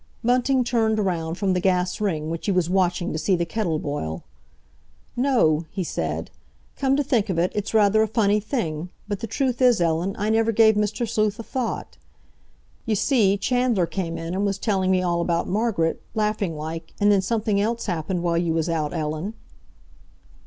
Bunting turned round from the gas ring, which he was watching to see the kettle boil. "No," he said. "Come to think of it, it's rather a funny thing, but the truth is, Ellen, I never gave Mr. Sleuth a thought. You see, Chandler came in and was telling me all about Margaret, laughing like, and then something else happened while you was out, Ellen."